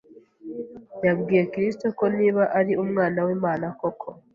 Yabwiye Kristo ko niba ari Umwana w’Imana koko,